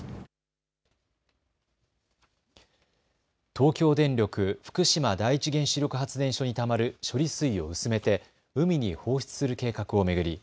東京電力福島第一原子力発電所にたまる処理水を薄めて海に放出する計画を巡り